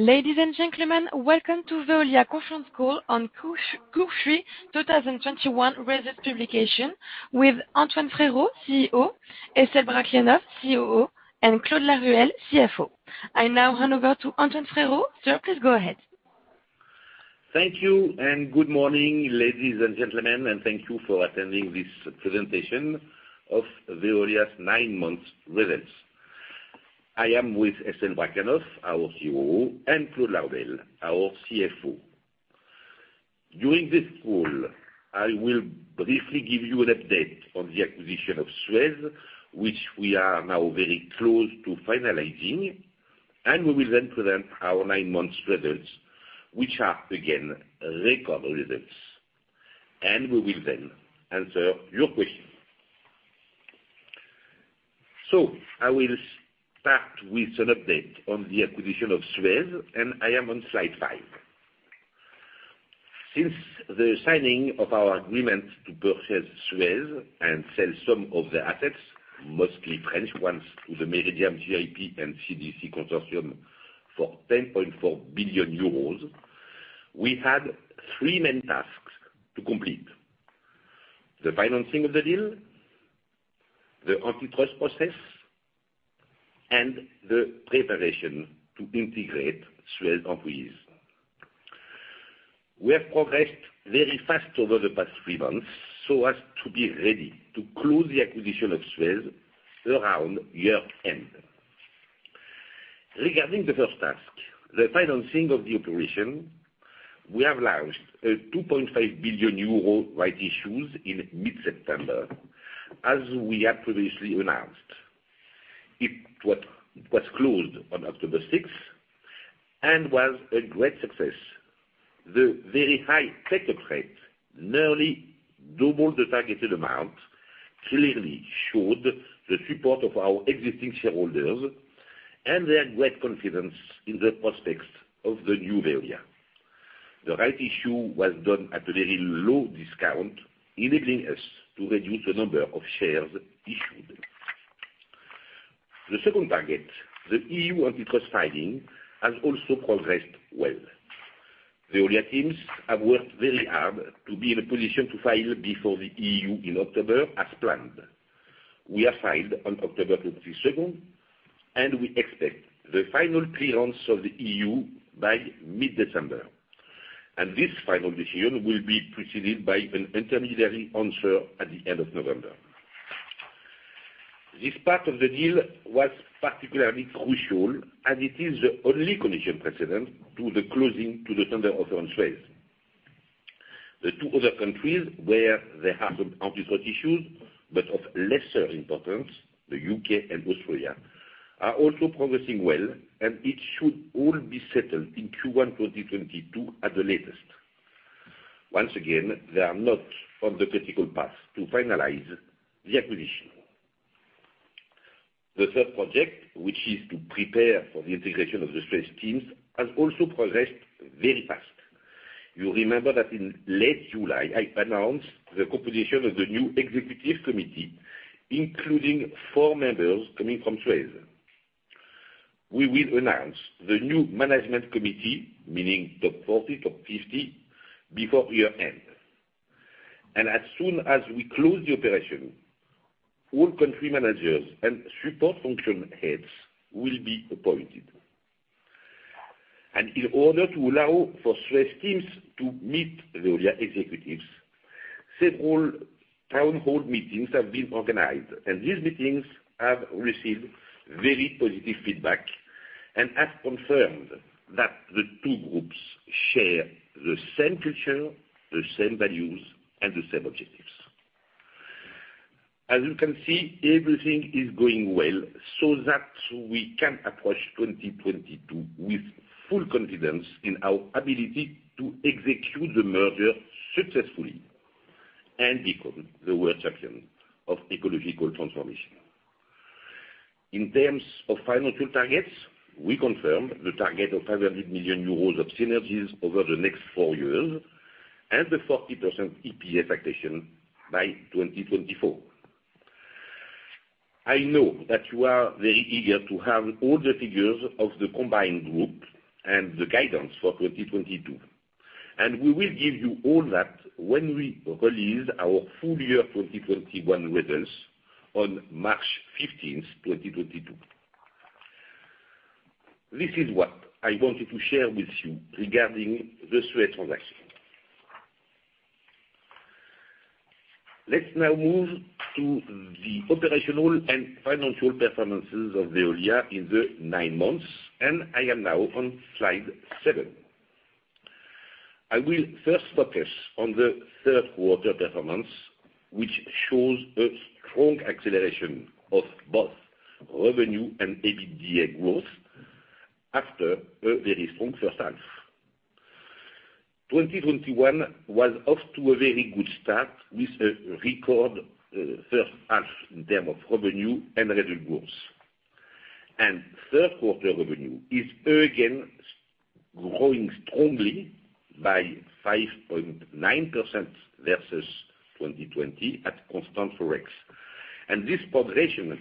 Ladies and gentlemen, welcome to Veolia conference call on Q3 2021 results publication with Antoine Frérot, CEO, Estelle Brachlianoff, COO, and Claude Laruelle, CFO. I now hand over to Antoine Frérot. Sir, please go ahead. Thank you, and good morning, ladies and gentlemen, and thank you for attending this presentation of Veolia's nine months results. I am with Estelle Brachlianoff, our COO, and Claude Laruelle, our CFO. During this call, I will briefly give you an update on the acquisition of Suez, which we are now very close to finalizing, and we will then present our nine months results, which are, again, record results. We will then answer your questions. I will start with an update on the acquisition of Suez, and I am on Slide 5. Since the signing of our agreement to purchase Suez and sell some of the assets, mostly French ones, to the Meridiam, GIP, and CDC consortium for 10.4 billion euros, we had three main tasks to complete. The financing of the deal, the antitrust process, and the preparation to integrate Suez employees. We have progressed very fast over the past three months so as to be ready to close the acquisition of Suez around year-end. Regarding the first task, the financing of the operation, we have launched a 2.5 billion euro rights issue in mid-September, as we have previously announced. It was closed on October sixth and was a great success. The very high take-up rate, nearly double the targeted amount, clearly showed the support of our existing shareholders and their great confidence in the prospects of the new Veolia. The rights issue was done at a very low discount, enabling us to reduce the number of shares issued. The second target, the EU antitrust filing, has also progressed well. Veolia teams have worked very hard to be in a position to file before the EU in October as planned. We have filed on October 22nd, and we expect the final clearance of the EU by mid-December, and this final decision will be preceded by an intermediary answer at the end of November. This part of the deal was particularly crucial, and it is the only condition precedent to the closing of the tender offer on Suez. The two other countries where there are some antitrust issues, but of lesser importance, the U.K. and Australia, are also progressing well, and it should all be settled in Q1 2022 at the latest. Once again, they are not on the critical path to finalize the acquisition. The third project, which is to prepare for the integration of the Suez teams, has also progressed very fast. You remember that in late July, I announced the composition of the new executive committee, including four members coming from Suez. We will announce the new management committee, meaning top 40, top 50, before year-end. As soon as we close the operation, all country managers and support function heads will be appointed. In order to allow for Suez teams to meet Veolia executives, several town hall meetings have been organized, and these meetings have received very positive feedback and have confirmed that the two groups share the same culture, the same values, and the same objectives. As you can see, everything is going well so that we can approach 2022 with full confidence in our ability to execute the merger successfully and become the world champion of ecological transformation. In terms of financial targets, we confirm the target of 500 million euros of synergies over the next four years and the 40% EPS accretion by 2024. I know that you are very eager to have all the figures of the combined group and the guidance for 2022, and we will give you all that when we release our full-year 2021 results on March 15, 2022. This is what I wanted to share with you regarding the Suez transaction. Let's now move to the operational and financial performances of Veolia in the nine months, and I am now on Slide 7. I will first focus on the third quarter performance, which shows a strong acceleration of both revenue and EBITDA growth after a very strong first half. 2021 was off to a very good start with a record first half in terms of revenue and revenue growth. Third quarter revenue is again growing strongly by 5.9% versus 2020 at constant ForEx. This progression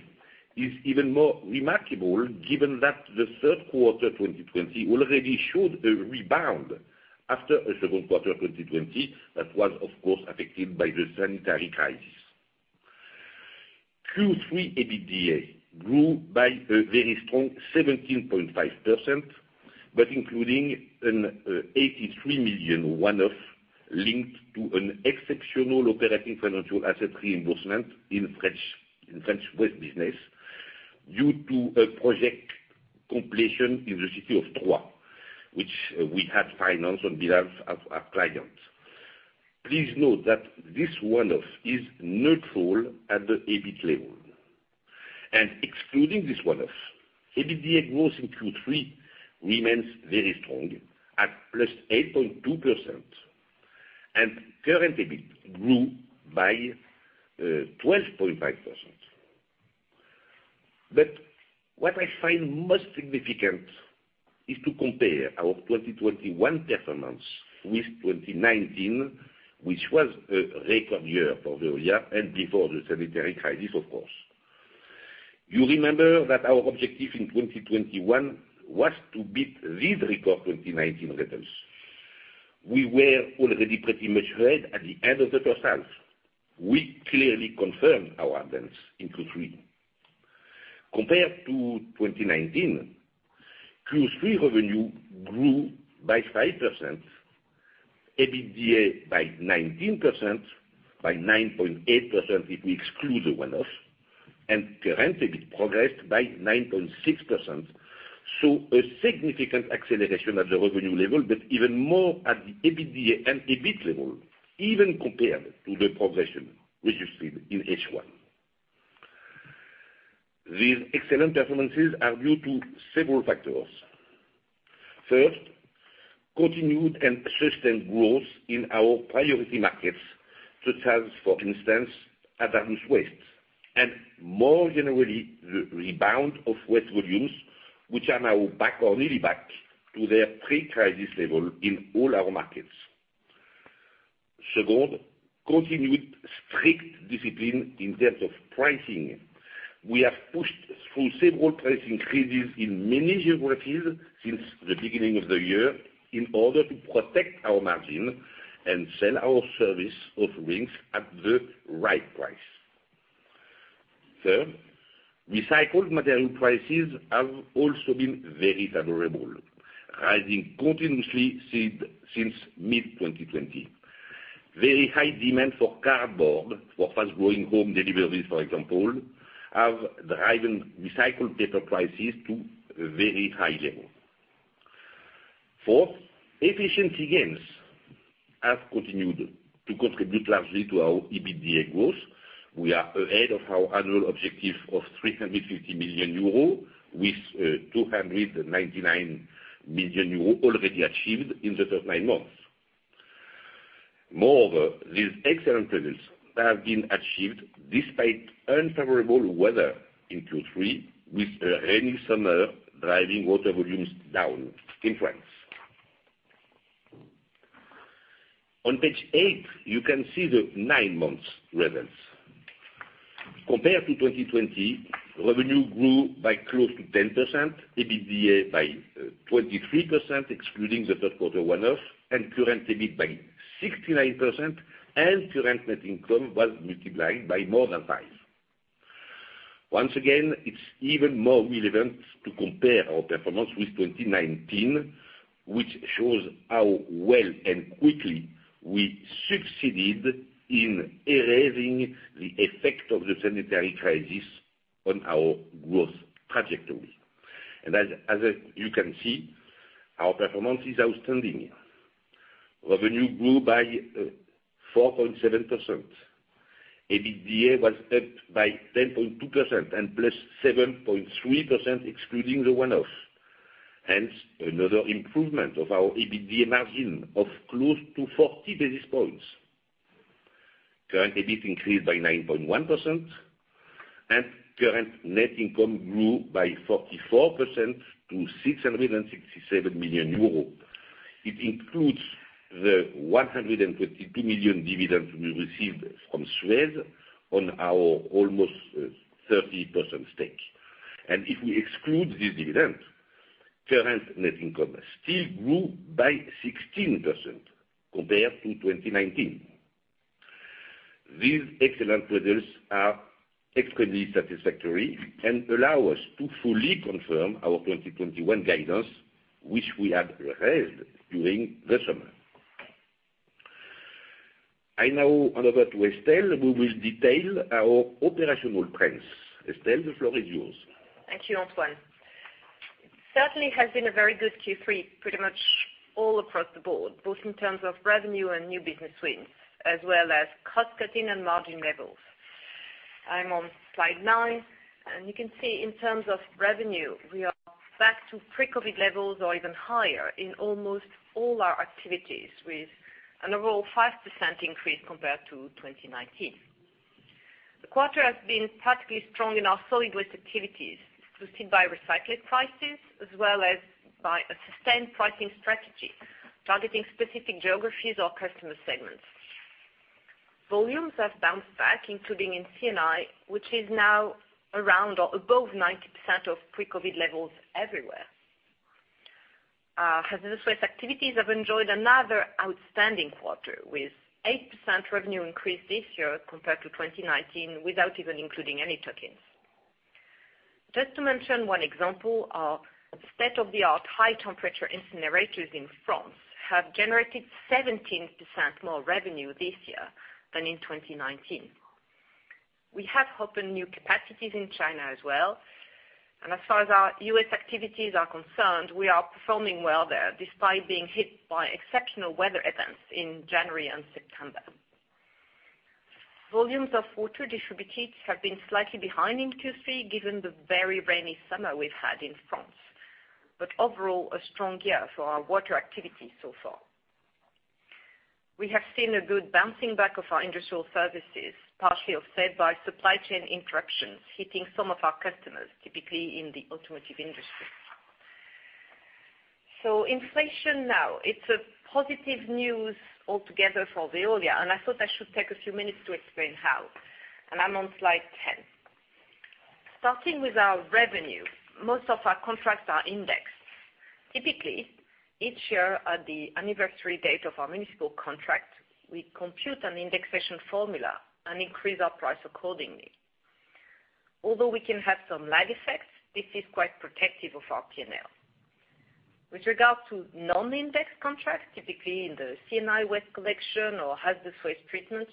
is even more remarkable given that the third quarter 2020 already showed a rebound after a second quarter 2020 that was of course affected by the sanitary crisis. Q3 EBITDA grew by a very strong 17.5%, but including an 83 million one-off linked to an exceptional operating financial asset reimbursement in French waste business due to a project completion in the city of Troyes, which we had financed on behalf of our clients. Please note that this one-off is neutral at the EBIT level. Excluding this one-off, EBITDA growth in Q3 remains very strong at +8.2%, and current EBIT grew by 12.5%. What I find most significant is to compare our 2021 performance with 2019, which was a record year for Veolia and before the sanitary crisis, of course. You remember that our objective in 2021 was to beat these record 2019 results. We were already pretty much ahead at the end of the first half. We clearly confirmed our advance in Q3. Compared to 2019, Q3 revenue grew by 5%, EBITDA by 19%, by 9.8% if we exclude the one-off, and current EBIT progressed by 9.6%. A significant acceleration at the revenue level, but even more at the EBITDA and EBIT level, even compared to the progression which you've seen in H1. These excellent performances are due to several factors. First, continued and sustained growth in our priority markets, such as, for instance, hazardous waste, and more generally, the rebound of waste volumes, which are now back or nearly back to their pre-crisis level in all our markets. Second, continued strict discipline in terms of pricing. We have pushed through several price increases in many geographies since the beginning of the year in order to protect our margin and sell our service offerings at the right price. Third, recycled material prices have also been very favorable, rising continuously since mid-2020. Very high demand for cardboard, for fast-growing home deliveries, for example, have driven recycled paper prices to very high level. Fourth, efficiency gains have continued to contribute largely to our EBITDA growth. We are ahead of our annual objective of 350 million euros, with 299 million euros already achieved in the first nine months. Moreover, these excellent results have been achieved despite unfavorable weather in Q3, with a rainy summer driving water volumes down in France. On Page 8, you can see the nine months results. Compared to 2020, revenue grew by close to 10%, EBITDA by 23%, excluding the first quarter one-off, and current EBIT by 69%, and current net income was multiplied by more than five. Once again, it's even more relevant to compare our performance with 2019, which shows how well and quickly we succeeded in erasing the effect of the sanitary crisis on our growth trajectory. As you can see, our performance is outstanding. Revenue grew by 4.7%. EBITDA was up by 10.2% and +7.3% excluding the one-off, hence another improvement of our EBITDA margin of close to 40 basis points. Current EBIT increased by 9.1%, and current net income grew by 44% to 667 million euros. It includes the 122 million dividend we received from Suez on our almost 30% stake. If we exclude this dividend, current net income still grew by 16% compared to 2019. These excellent results are extremely satisfactory and allow us to fully confirm our 2021 guidance, which we had raised during the summer. I now hand over to Estelle, who will detail our operational trends. Estelle, the floor is yours. Thank you, Antoine. Certainly has been a very good Q3 pretty much all across the board, both in terms of revenue and new business wins, as well as cost cutting and margin levels. I'm on Slide 9, and you can see in terms of revenue, we are back to pre-COVID levels or even higher in almost all our activities, with an overall 5% increase compared to 2019. The quarter has been particularly strong in our solid waste activities, boosted by recycled prices as well as by a sustained pricing strategy. Targeting specific geographies or customer segments. Volumes have bounced back, including in C&I, which is now around or above 90% of pre-COVID levels everywhere. Hazardous waste activities have enjoyed another outstanding quarter, with 8% revenue increase this year compared to 2019, without even including any tuck-ins. Just to mention one example, our state-of-the-art high temperature incinerators in France have generated 17% more revenue this year than in 2019. We have opened new capacities in China as well. As far as our U.S. activities are concerned, we are performing well there, despite being hit by exceptional weather events in January and September. Volumes of water distributed have been slightly behind in Q3, given the very rainy summer we've had in France. Overall, a strong year for our water activities so far. We have seen a good bouncing back of our Industrial services, partially offset by supply chain interruptions hitting some of our customers, typically in the automotive industry. Inflation now. It's a positive news altogether for Veolia, and I thought I should take a few minutes to explain how. I'm on Slide 10. Starting with our revenue, most of our contracts are indexed. Typically, each year at the anniversary date of our municipal contract, we compute an indexation formula and increase our price accordingly. Although we can have some lag effects, this is quite protective of our P&L. With regard to non-indexed contracts, typically in the C&I waste collection or hazardous waste treatment,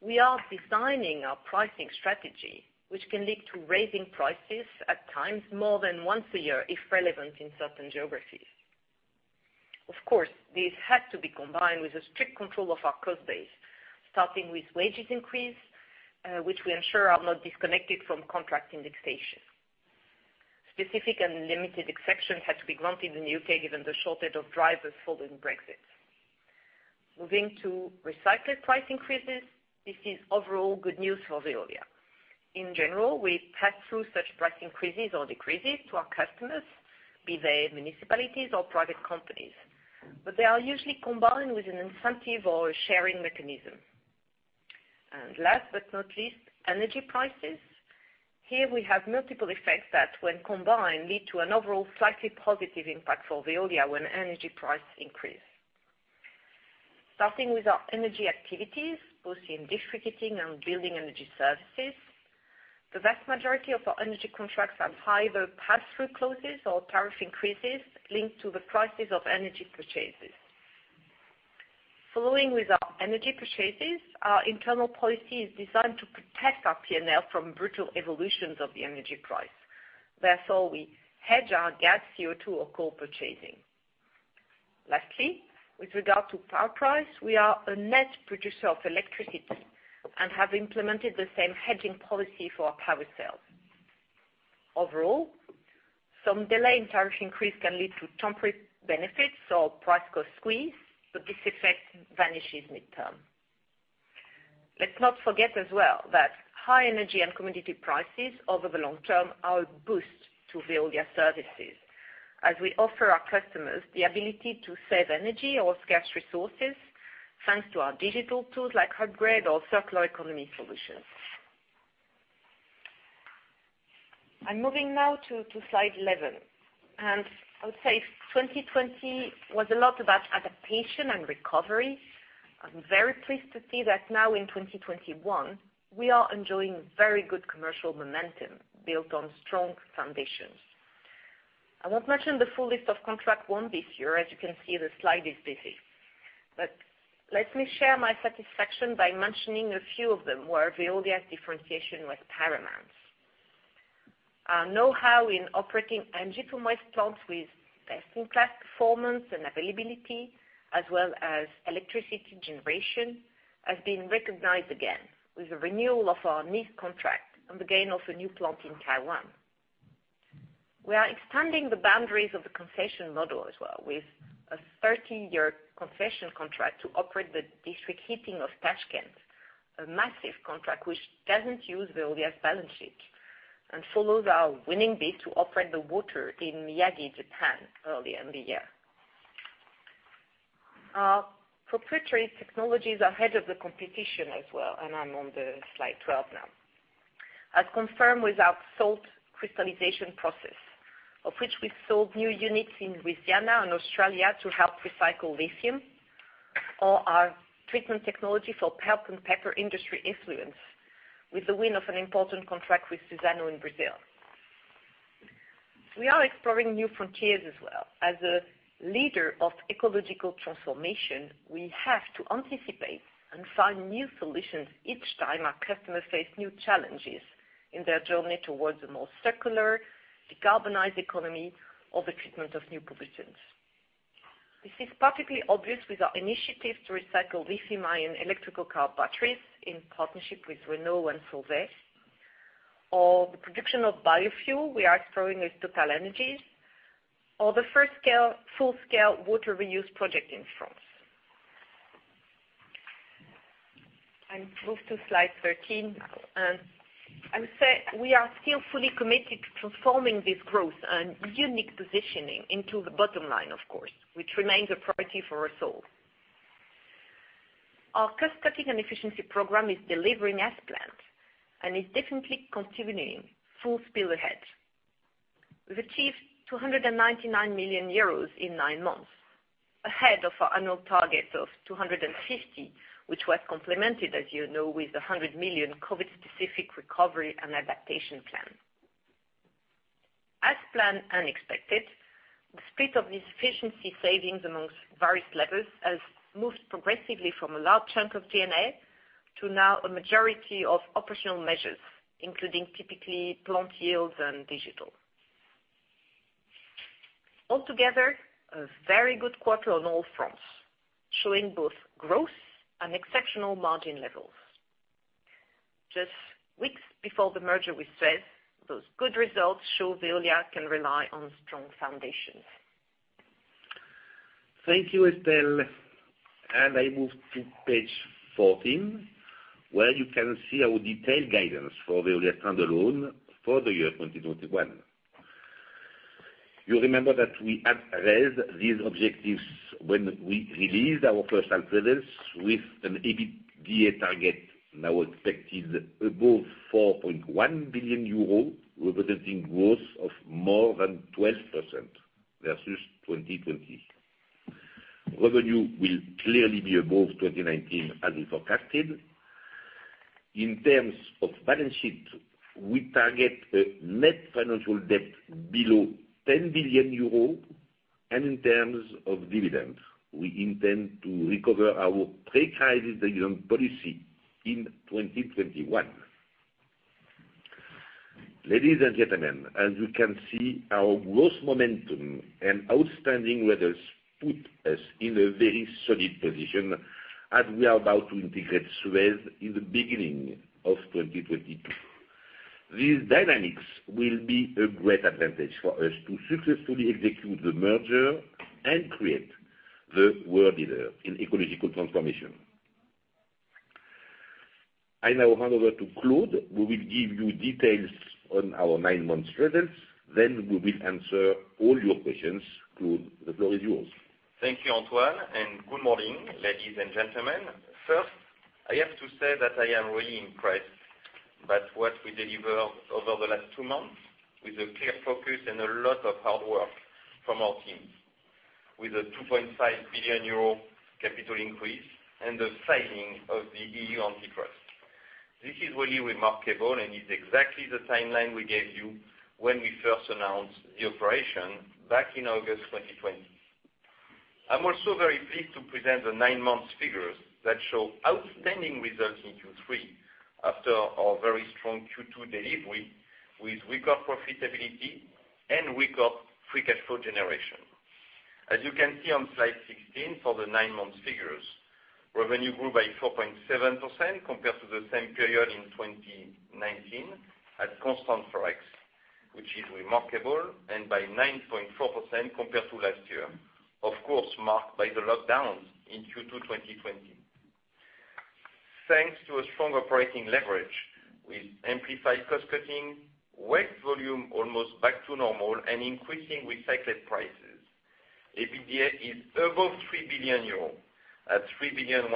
we are designing our pricing strategy, which can lead to raising prices at times more than once a year, if relevant in certain geographies. Of course, these have to be combined with a strict control of our cost base, starting with wages increase, which we ensure are not disconnected from contract indexation. Specific and limited exceptions had to be granted in the U.K. given the shortage of drivers following Brexit. Moving to recycled price increases, this is overall good news for Veolia. In general, we pass through such price increases or decreases to our customers, be they municipalities or private companies. They are usually combined with an incentive or a sharing mechanism. Last but not least, energy prices. Here we have multiple effects that, when combined, lead to an overall slightly positive impact for Veolia when energy prices increase. Starting with our energy activities, both in district heating and building energy services. The vast majority of our energy contracts have either pass-through clauses or tariff increases linked to the prices of energy purchases. Following with our energy purchases, our internal policy is designed to protect our P&L from brutal evolutions of the energy price. Therefore, we hedge our gas, CO2, or coal purchasing. Lastly, with regard to power price, we are a net producer of electricity and have implemented the same hedging policy for our power sales. Overall, some delay in tariff increase can lead to temporary benefits or price cost squeeze, but this effect vanishes mid-term. Let's not forget as well that high energy and commodity prices over the long-term are a boost to Veolia services as we offer our customers the ability to save energy or scarce resources thanks to our digital tools like Hubgrade or circular economy solutions. I'm moving now to Slide 11. I would say 2020 was a lot about adaptation and recovery. I'm very pleased to see that now in 2021 we are enjoying very good commercial momentum built on strong foundations. I won't mention the full list of contract won this year, as you can see the slide is busy. Let me share my satisfaction by mentioning a few of them where Veolia's differentiation was paramount. Our know-how in operating energy-from-waste plants with best-in-class performance and availability, as well as electricity generation, has been recognized again with the renewal of our NES contract and the gain of a new plant in Taiwan. We are expanding the boundaries of the concession model as well with a 30-year concession contract to operate the district heating of Tashkent, a massive contract which doesn't use Veolia's balance sheet, and follows our winning bid to operate the water in Miyagi, Japan, earlier in the year. Our proprietary technologies are ahead of the competition as well, and I'm on the Slide 12 now. As confirmed with our salt crystallization process, of which we've sold new units in Louisiana and Australia to help recycle lithium, or our treatment technology for pulp and paper industry effluents, with the win of an important contract with Suzano in Brazil. We are exploring new frontiers as well. As a leader of ecological transformation, we have to anticipate and find new solutions each time our customers face new challenges in their journey towards a more circular, decarbonized economy or the treatment of new pollutants. This is particularly obvious with our initiative to recycle lithium-ion electrical car batteries in partnership with Renault and Solvay. The production of biofuel we are exploring with TotalEnergies. The first scale, full-scale water reuse project in France. Move to Slide 13. I would say we are still fully committed to transforming this growth and unique positioning into the bottom line, of course, which remains a priority for us all. Our cost cutting and efficiency program is delivering as planned and is definitely continuing full speed ahead. We've achieved 299 million euros in nine months, ahead of our annual target of 250, which was complemented, as you know, with a 100 million COVID specific recovery and adaptation plan. As planned and expected, the split of these efficiency savings among various levels has moved progressively from a large chunk of D&A to now a majority of operational measures, including typically plant yields and digital. Altogether, a very good quarter on all fronts, showing both growth and exceptional margin levels. Just weeks before the merger with Suez, those good results show Veolia can rely on strong foundations. Thank you, Estelle. I move to Page 14, where you can see our detailed guidance for Veolia standalone for the year 2021. You remember that we had raised these objectives when we released our first half results with an EBITDA target now expected above 4.1 billion euros, representing growth of more than 12% versus 2020. Revenue will clearly be above 2019 as we forecasted. In terms of balance sheet, we target a net financial debt below 10 billion euro. In terms of dividend, we intend to recover our pre-crisis dividend policy in 2021. Ladies and gentlemen, as you can see, our growth momentum and outstanding results put us in a very solid position as we are about to integrate Suez in the beginning of 2022. These dynamics will be a great advantage for us to successfully execute the merger and create the world leader in ecological transformation. I now hand over to Claude, who will give you details on our nine-month results. We will answer all your questions. Claude, the floor is yours. Thank you, Antoine, and good morning, ladies and gentlemen. First, I have to say that I am really impressed by what we delivered over the last two months with a clear focus and a lot of hard work from our teams, with a 2.5 billion euro capital increase and the signing of the EU antitrust. This is really remarkable, and it's exactly the timeline we gave you when we first announced the operation back in August 2020. I'm also very pleased to present the nine-month figures that show outstanding results in Q3 after our very strong Q2 delivery with record profitability and record free cash flow generation. As you can see on slide 16 for the nine-month figures, revenue grew by 4.7% compared to the same period in 2019 at constant ForEx, which is remarkable, and by 9.4% compared to last year, of course, marked by the lockdowns in Q2 2020. Thanks to a strong operating leverage with amplified cost cutting, waste volume almost back to normal, and increasing recycled prices, EBITDA is above 3 billion euro at 3.14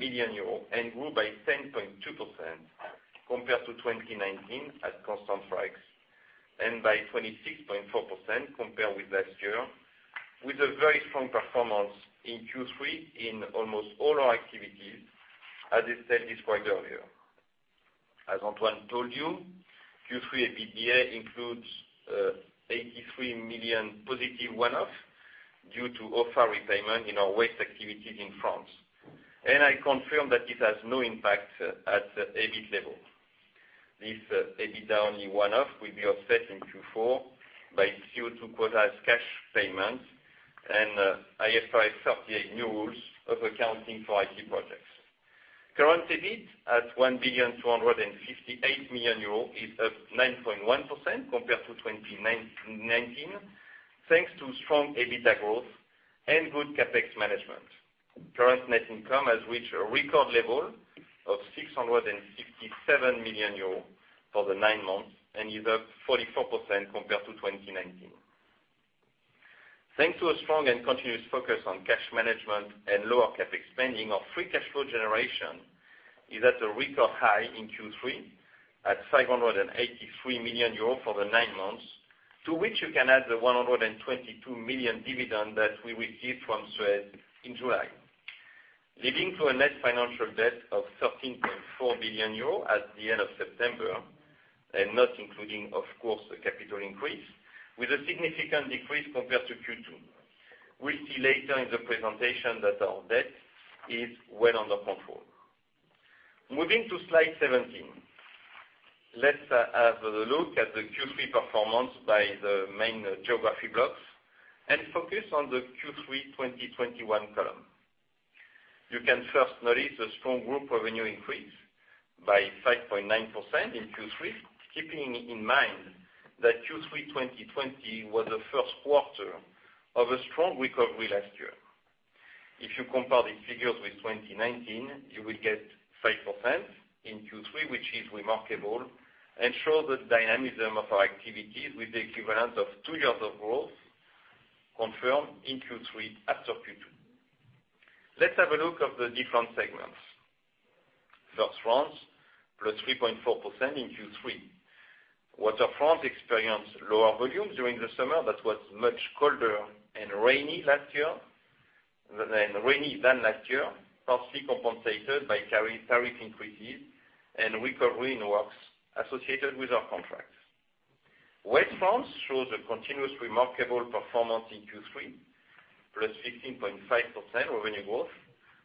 billion and grew by 10.2% compared to 2019 at constant ForEx, and by 26.4% compared with last year, with a very strong performance in Q3 in almost all our activities, as Estelle described earlier. As Antoine told you, Q3 EBITDA includes 83 million positive one-off due to OFAE repayment in our waste activities in France. I confirm that it has no impact at the EBIT level. This EBITDA one-off will be offset in Q4 by CO2 quotas cash payments and IAS 38 new rules of accounting for IT projects. Current EBIT at EUR 1,258 million is up 9.1% compared to 2019 thanks to strong EBITDA growth and good CapEx management. Current net income has reached a record level of 667 million euros for the nine months and is up 44% compared to 2019. Thanks to a strong and continuous focus on cash management and lower CapEx spending, our free cash flow generation is at a record high in Q3 at 583 million euro for the nine months, to which you can add the 122 million dividend that we received from Suez in July, leading to a net financial debt of EUR 13.4 billion at the end of September and not including, of course, the capital increase, with a significant decrease compared to Q2. We'll see later in the presentation that our debt is well under control. Moving to Slide 17. Let's have a look at the Q3 performance by the main geography blocks and focus on the Q3 2021 column. You can first notice a strong group revenue increase by 5.9% in Q3, keeping in mind that Q3 2020 was the first quarter of a strong recovery last year. If you compare these figures with 2019, you will get 5% in Q3, which is remarkable, and show the dynamism of our activities with the equivalent of two years of growth confirmed in Q3 after Q2. Let's have a look at the different segments. First, France, +3.4% in Q3. Water France experienced lower volumes during the summer that was much colder and rainier than last year, partly compensated by tariff increases and recovery in works associated with our contracts. Waste shows a continuous remarkable performance in Q3, +16.5% revenue growth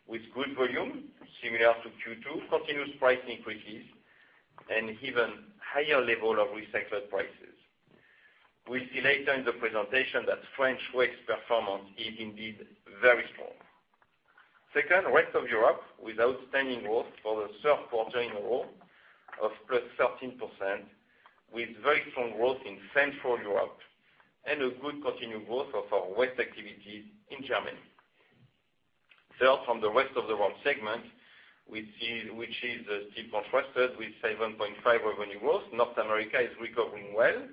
with good volume similar to Q2, continuous price increases, and even higher level of recycled prices. We'll see later in the presentation that French Waste performance is indeed very strong. Second, rest of Europe with outstanding growth for the third quarter in a row of +13%, with very strong growth in Central Europe and a good continued growth of our waste activities in Germany. Third, on the Rest of the World segment, we see, which is still contrasted with 7.5% revenue growth. North America is recovering well,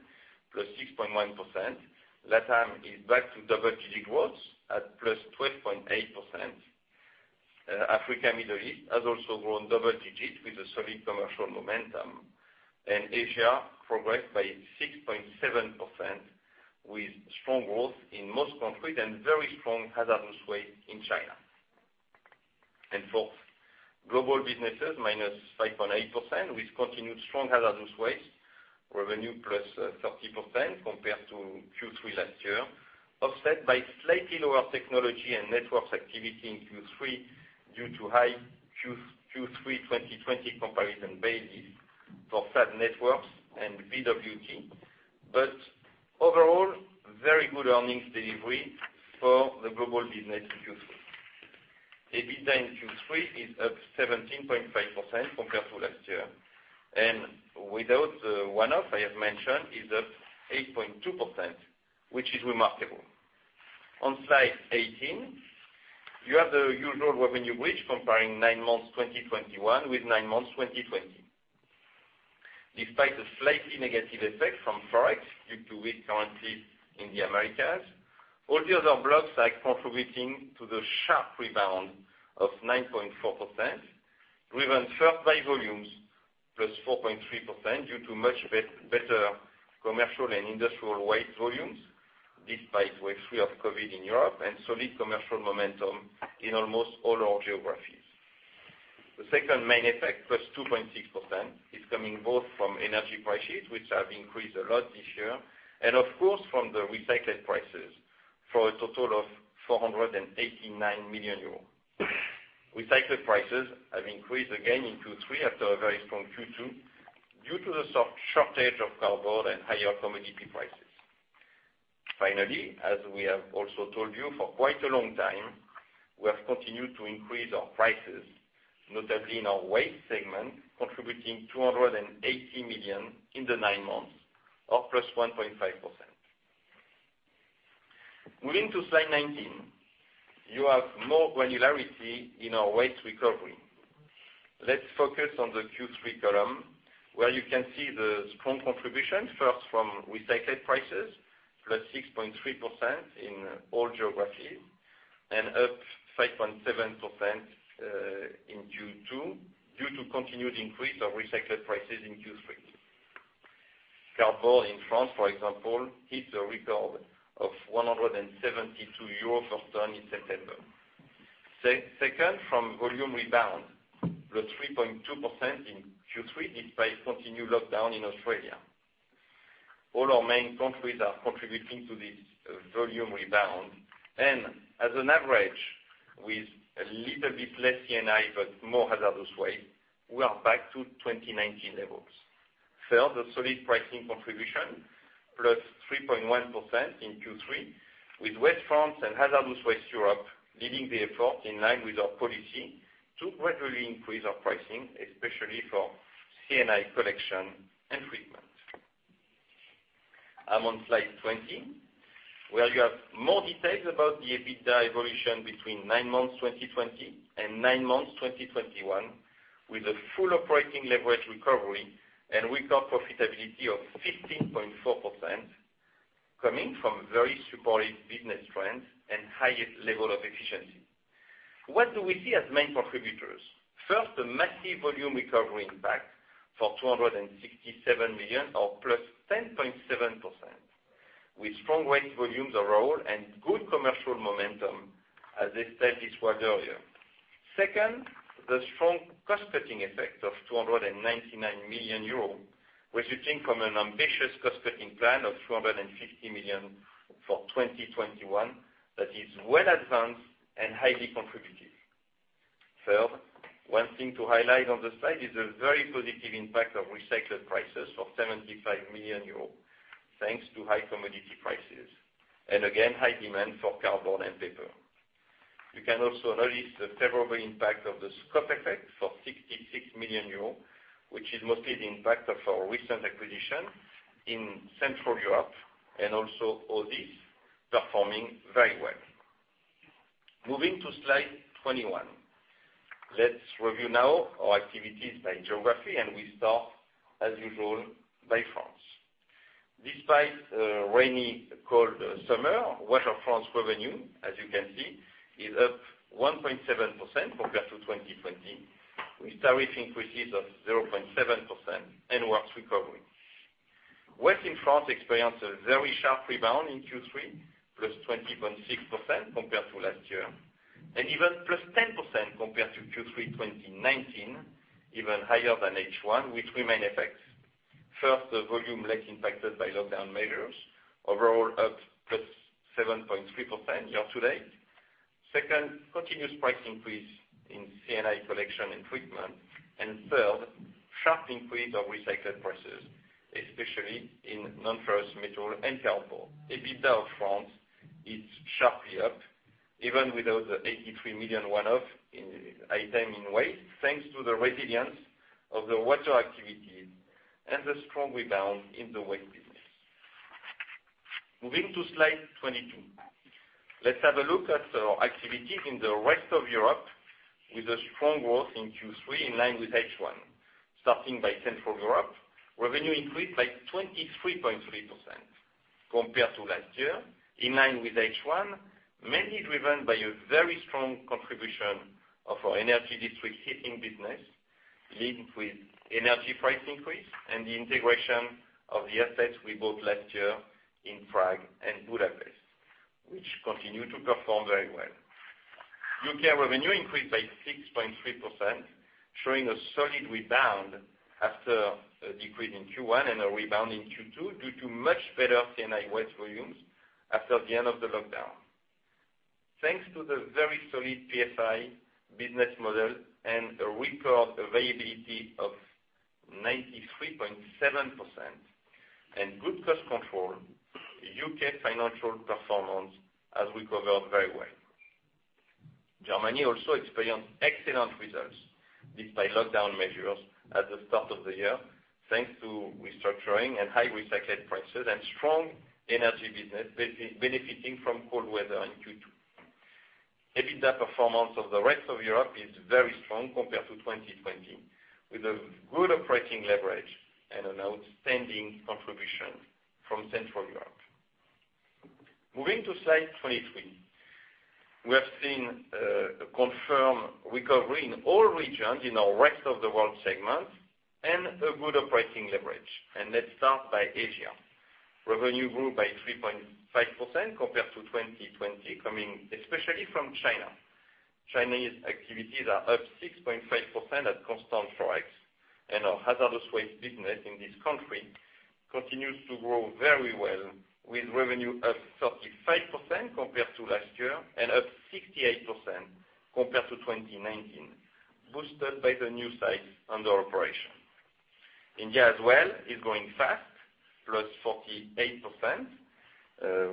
+6.1%. LATAM is back to double-digit growth at +12.8%. Africa, Middle East has also grown double-digit with a solid commercial momentum. Asia progressed by 6.7% with strong growth in most countries and very strong hazardous waste in China. Fourth, Global businesses -5.8% with continued strong hazardous waste revenue +30% compared to Q3 last year, offset by slightly lower technology and networks activity in Q3 due to high Q3 2020 comparison base for SADE networks and VWT. Overall, very good earnings delivery for the global business in Q3. EBITDA in Q3 is up 17.5% compared to last year. Without the one-off I have mentioned, is up 8.2%, which is remarkable. On Slide 18, you have the usual revenue bridge comparing nine months 2021 with nine months 2020. Despite the slightly negative effect from ForEx due to weak currency in the Americas, all the other blocks are contributing to the sharp rebound of 9.4%, driven first by volumes +4.3% due to much better Commercial and Industrial waste volumes, despite wave three of COVID in Europe and solid commercial momentum in almost all our geographies. The second main effect, +2.6%, is coming both from energy prices, which have increased a lot this year, and of course from the recycled prices for a total of 489 million euros. Recycled prices have increased again in Q3 after a very strong Q2 due to the soft shortage of cardboard and higher commodity prices. Finally, as we have also told you for quite a long time, we have continued to increase our prices, notably in our Waste segment, contributing 280 million in the nine months or +1.5%. Moving to Slide 19, you have more granularity in our waste recovery. Let's focus on the Q3 column, where you can see the strong contribution, first from recycled prices, +6.3% in all geographies, and up 5.7% in Q2 due to continued increase of recycled prices in Q3. Cardboard in France, for example, hit a record of 172 EUR/ton in September. Second, from volume rebound, +3.2% in Q3, despite continued lockdown in Australia. All our main countries are contributing to this, volume rebound. As an average, with a little bit less C&I, but more Hazardous waste, we are back to 2019 levels. Third, a solid pricing contribution, +3.1% in Q3, with Waste France and Hazardous Waste Europe leading the effort in line with our policy to gradually increase our pricing, especially for C&I collection and treatment. I'm on Slide 20, where you have more details about the EBITDA evolution between nine months 2020 and nine months 2021, with a full operating leverage recovery and recovery profitability of 15.4% coming from very supported business trends and highest level of efficiency. What do we see as main contributors? First, the massive volume recovery impact for 267 million or +10.7%, with strong waste volumes overall and good commercial momentum, as I said this word earlier. Second, the strong cost-cutting effect of 299 million euros, resulting from an ambitious cost-cutting plan of 250 million for 2021 that is well advanced and highly contributive. Third, one thing to highlight on the slide is a very positive impact of recycled prices of 75 million euros, thanks to high commodity prices, and again, high demand for cardboard and paper. You can also notice the favorable impact of the scope effect for 66 million euros, which is mostly the impact of our recent acquisition in Central Europe and also OD performing very well. Moving to Slide 21. Let's review now our activities by geography, and we start, as usual, by France. Despite a rainy, cold summer, Water France revenue, as you can see, is up 1.7% compared to 2020, with tariff increases of 0.7% and works recovery. Waste in France experienced a very sharp rebound in Q3, +20.6% compared to last year, and even +10% compared to Q3 2019, even higher than H1, which remains effective. First, the volume less impacted by lockdown measures, overall up +7.3% year-to-date. Second, continuous price increase in C&I collection and treatment. Third, sharp increase of recycled prices, especially in non-ferrous metal and cardboard. EBITDA of France is sharply up, even without the 83 million one-off item in waste, thanks to the resilience of the water activities and the strong rebound in the waste business. Moving to Slide 22. Let's have a look at our activities in the rest of Europe with a strong growth in Q3 in line with H1. Starting by Central Europe, revenue increased by 23.3% compared to last year, in line with H1, mainly driven by a very strong contribution of our Energy District Heating business, linked with energy price increase and the integration of the assets we bought last year in Prague and Budapest, which continue to perform very well. U.K. revenue increased by 6.3%, showing a solid rebound after a decrease in Q1 and a rebound in Q2 due to much better C&I waste volumes after the end of the lockdown. Thanks to the very solid PFI business model and a record availability of 93.7% and good cost control, U.K. financial performance has recovered very well. Germany also experienced excellent results, despite lockdown measures at the start of the year, thanks to restructuring and high recycled prices and strong energy business benefiting from cold weather in Q2. EBITDA performance of the rest of Europe is very strong compared to 2020, with a good operating leverage and an outstanding contribution from Central Europe. Moving to Slide 23. We have seen a confirmed recovery in all regions in our Rest of the World segment and a good operating leverage. Let's start by Asia. Revenue grew by 3.5% compared to 2020, coming especially from China. Chinese activities are up 6.5% at constant ForEx, and our hazardous waste business in this country continues to grow very well, with revenue up 35% compared to last year and up 68% compared to 2019, boosted by the new sites under operation. India as well is growing fast, +48%,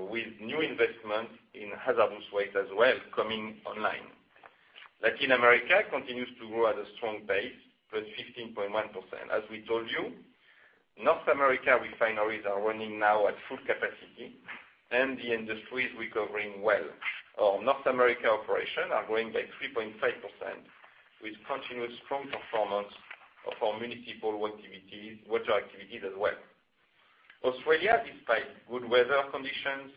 with new investments in Hazardous Waste as well coming online. Latin America continues to grow at a strong pace, +15.1%. As we told you, North America refineries are running now at full capacity, and the industry is recovering well. Our North America operations are growing by 3.5%, with continuous strong performance of our municipal activities, water activities as well. Australia, despite good weather conditions,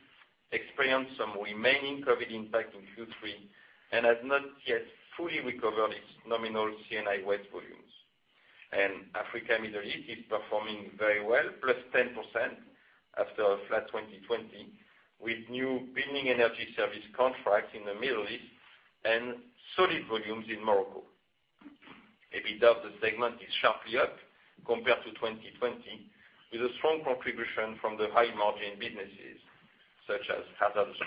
experienced some remaining COVID impact in Q3 and has not yet fully recovered its nominal C&I waste volumes. Africa, Middle East is performing very well, +10% after a flat 2020, with new winning energy service contracts in the Middle East and solid volumes in Morocco. EBITDA of the segment is sharply up compared to 2020, with a strong contribution from the high margin businesses such as hazardous.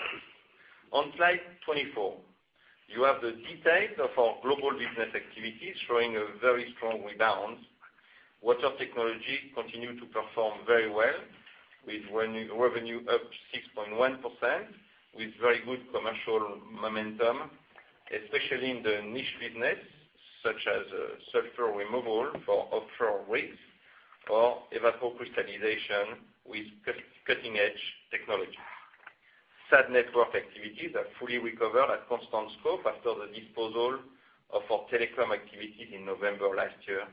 On Slide 24, you have the details of our Global business activities showing a very strong rebound. Water Technologies continued to perform very well with revenue up 6.1%, with very good commercial momentum, especially in the Niche business, such as sulfur removal for offshore waste or evapocrystallization with cutting edge technology. SADE network activities are fully recovered at constant scope after the disposal of our telecom activities in November of last year,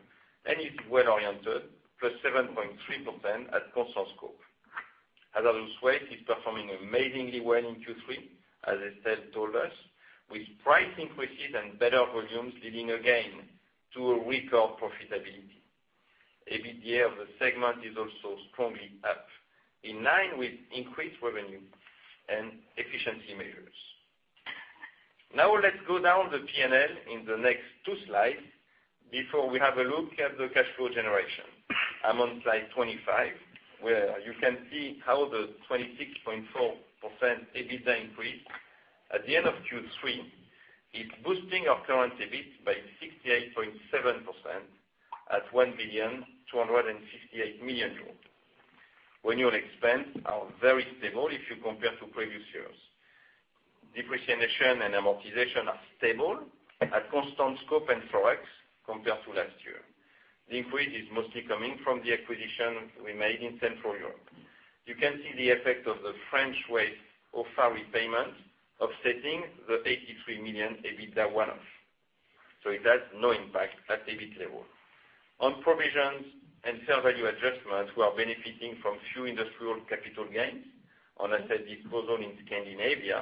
and is well oriented, +7.3% at constant scope. Hazardous waste is performing amazingly well in Q3, as Estelle told us, with price increases and better volumes leading again to a record profitability. EBITDA of the segment is also strongly up, in line with increased revenue and efficiency measures. Now let's go down the P&L in the next two slides before we have a look at the cash flow generation. I'm on Slide 25, where you can see how the 26.4% EBITDA increase at the end of Q3 is boosting our current EBIT by 68.7% at 1,268 million. Annual expenses are very stable if you compare to previous years. Depreciation and amortization are stable at constant scope and Forex compared to last year. The increase is mostly coming from the acquisition we made in Central Europe. You can see the effect of the French waste OFAE repayment offsetting the 83 million EBITDA one-off. It has no impact at EBIT level. On provisions and fair value adjustments, we are benefiting from a few industrial capital gains on asset disposal in Scandinavia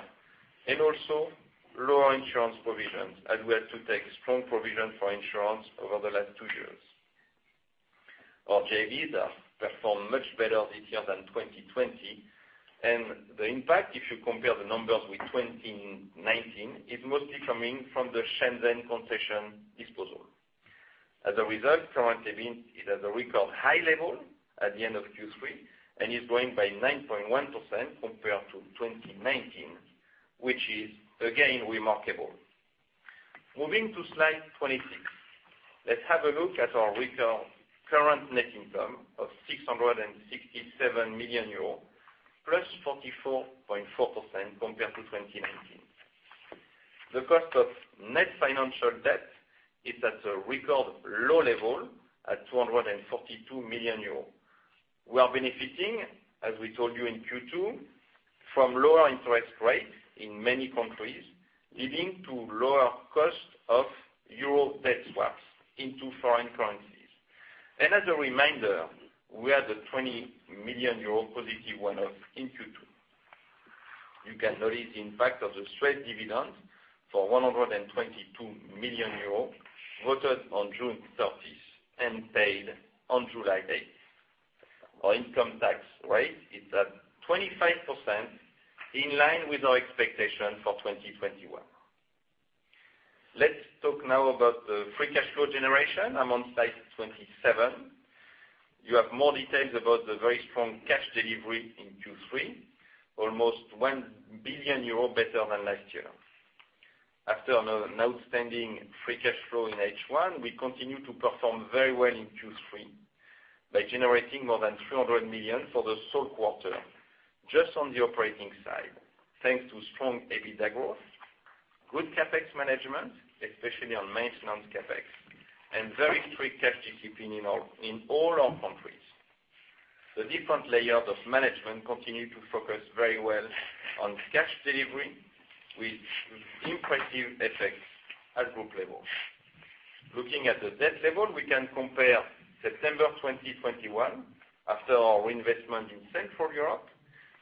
and also lower insurance provisions as we had to take a strong provision for insurance over the last two years. Our JVs have performed much better this year than 2020, and the impact, if you compare the numbers with 2019, is mostly coming from the Shenzhen concession disposal. As a result, current EBIT is at a record high level at the end of Q3 and is growing by 9.1% compared to 2019, which is again remarkable. Moving to Slide 26. Let's have a look at our record current net income of 667 million euros, +44.4% compared to 2019. The cost of net financial debt is at a record low level at 242 million euros. We are benefiting, as we told you in Q2, from lower interest rates in many countries, leading to lower cost of euro debt swaps into foreign currencies. As a reminder, we had a 20 million euro positive one-off in Q2. You can notice the impact of the Suez dividend for 122 million euros voted on June 30th and paid on July 8th. Our income tax rate is at 25% in line with our expectation for 2021. Let's talk now about the free cash flow generation. I'm on Slide 27. You have more details about the very strong cash delivery in Q3, almost 1 billion euros better than last year. After an outstanding free cash flow in H1, we continue to perform very well in Q3 by generating more than 300 million for the sole quarter just on the operating side, thanks to strong EBITDA growth, good CapEx management, especially on maintenance CapEx, and very strict cash discipline in all our countries. The different layers of management continue to focus very well on cash delivery with impressive effects at group level. Looking at the debt level, we can compare September 2021 after our investment in Central Europe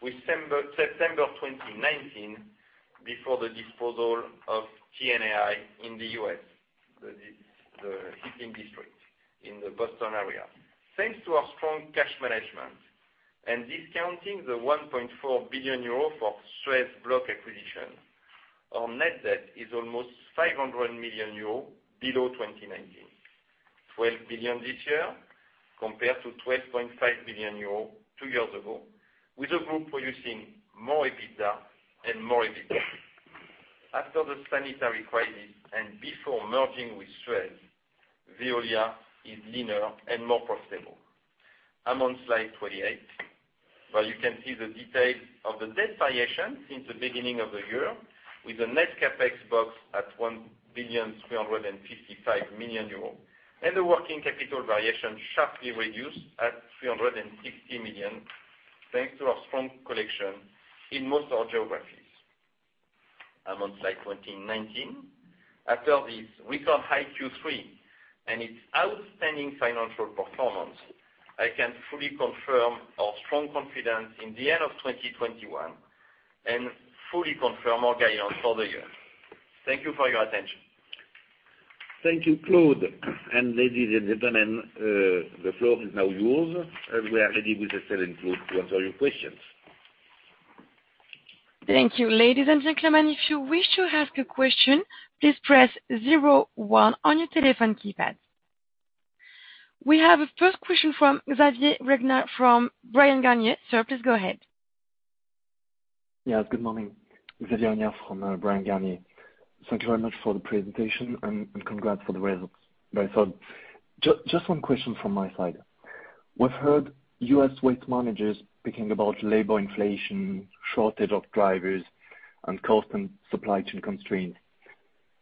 with September 2019 before the disposal of TNAI in the U.S., the Heating District in the Boston area. Thanks to our strong cash management and discounting the 1.4 billion euro for Suez block acquisition, our net debt is almost 500 million euro below 2019. 12 billion this year compared to 12.5 billion euro two years ago, with the group producing more EBITDA. After the sanitary crisis and before merging with Suez, Veolia is leaner and more profitable. I'm on Slide 28, where you can see the details of the debt variation since the beginning of the year with a net CapEx box at 1.355 billion and the working capital variation sharply reduced at 360 million, thanks to our strong collection in most of our geographies. I'm on Slide 29. After this record high Q3 and its outstanding financial performance, I can fully confirm our strong confidence in the end of 2021 and fully confirm our guidance for the year. Thank you for your attention. Thank you, Claude. Ladies and gentlemen, the floor is now yours, and we are ready with the selling group to answer your questions. Thank you. Ladies and gentlemen, if you wish to ask a question, please press zero one on your telephone keypad. We have a first question from Xavier Regnard from Bryan, Garnier. Sir, please go ahead. Yeah, good morning. Xavier Regnard from Bryan, Garnier. Thank you very much for the presentation and congrats for the results. Very solid. Just one question from my side. We've heard US waste managers speaking about labor inflation, shortage of drivers, and constant supply chain constraints.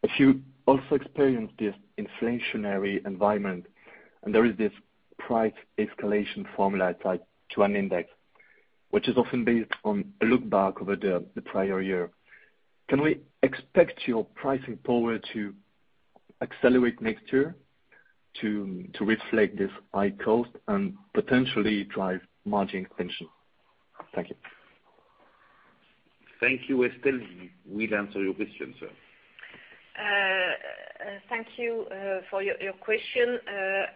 If you also experience this inflationary environment, and there is this price escalation formula tied to an index, which is often based on a look back over the prior year, can we expect your pricing power to accelerate next year to reflect this high cost and potentially drive margin expansion? Thank you. Thank you. Estelle will answer your question, sir. Thank you for your question.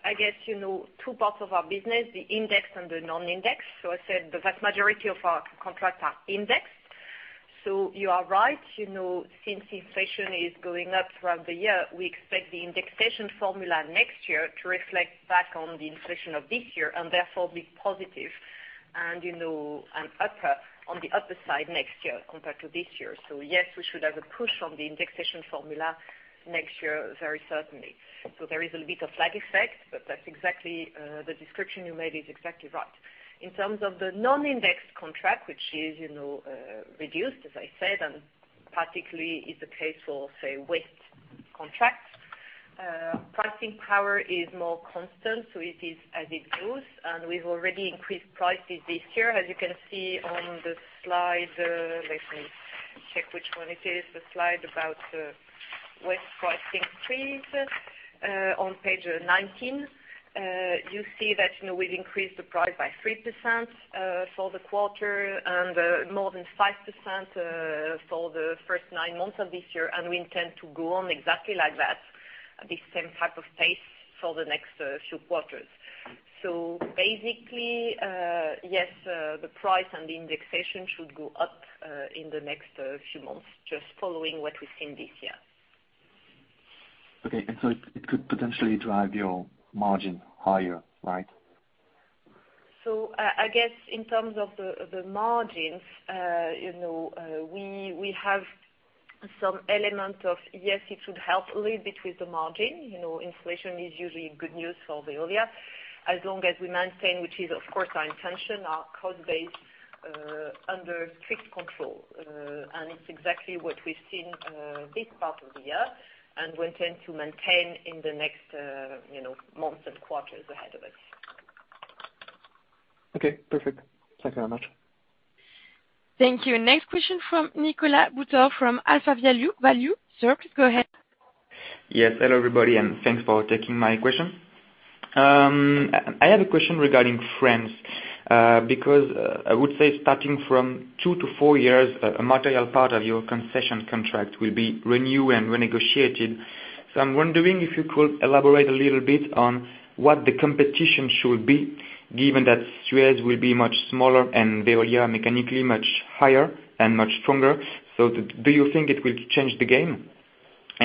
I guess you know two parts of our business, the Index and the Non-Index. I said the vast majority of our contracts are indexed. You are right, you know, since inflation is going up throughout the year, we expect the indexation formula next year to reflect back on the inflation of this year and therefore be positive. And you know, it'll be on the upper side next year compared to this year. Yes, we should have a push on the indexation formula next year very certainly. There is a bit of lag effect, but that's exactly the description you made is exactly right. In terms of the Non-Indexed contract, which is, you know, reduced, as I said, and particularly is the case for, say, waste contracts, pricing power is more constant, so it is as it goes. We've already increased prices this year, as you can see on the slide. Let me check which one it is, the slide about waste pricing increase on Page 19. You see that, you know, we've increased the price by 3% for the quarter and more than 5% for the first nine months of this year, and we intend to go on exactly like that, the same type of pace for the next few quarters. Basically, yes, the price and the indexation should go up in the next few months, just following what we've seen this year. Okay. It could potentially drive your margin higher, right? I guess in terms of the margins, you know, we have some element of yes, it should help a little bit with the margin. You know, inflation is usually good news for Veolia, as long as we maintain, which is of course our intention, our cost base under strict control. It's exactly what we've seen this part of the year, and we intend to maintain in the next, you know, months and quarters ahead of us. Okay, perfect. Thank you very much. Thank you. Next question from Nicolas Buteau from AlphaValue. Sir, please go ahead. Yes. Hello, everybody, and thanks for taking my question. I have a question regarding France, because I would say starting from two to four years, a material part of your concession contract will be renewed and renegotiated. I'm wondering if you could elaborate a little bit on what the competition should be given that Suez will be much smaller and Veolia mechanically much higher and much stronger. Do you think it will change the game?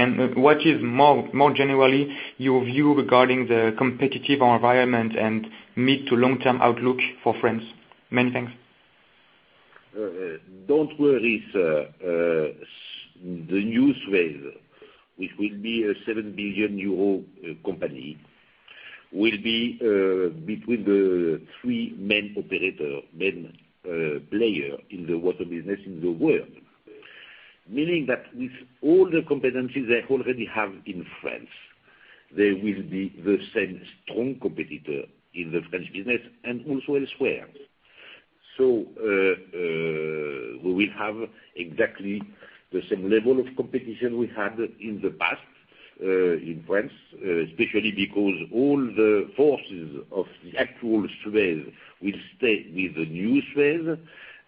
What is more generally your view regarding the competitive environment and mid- to long-term outlook for France? Many thanks. Don't worry, the new Suez, which will be a 7 billion euro company, will be between the three main player in the water business in the world. Meaning that with all the competencies they already have in France, they will be the same strong competitor in the French business and also elsewhere. We will have exactly the same level of competition we had in the past in France, especially because all the forces of the actual Suez will stay with the new Suez,